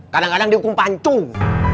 kadang kadang dihukum pancung